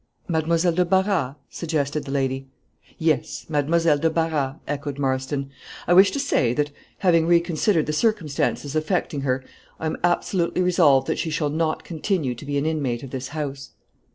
"Mademoiselle de Barras?" suggested the lady. "Yes, Mademoiselle de Barras," echoed Marston; "I wish to say, that, having reconsidered the circumstances affecting her, I am absolutely resolved that she shall not continue to be an inmate of this house."